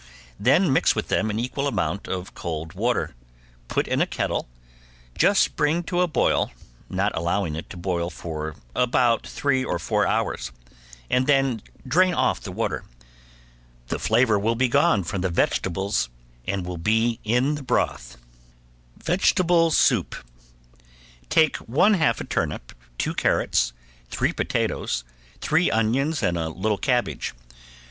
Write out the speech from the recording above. Then mix with them an equal amount of cold water, put in a kettle, just bring to a boil, not allowing it to boil for about three or four hours, and then drain off the water. The flavor will be gone from the vegetables and will be in the broth. ~VEGETABLE SOUP~ Take one half a turnip, two carrots, three potatoes, three onions and a little cabbage.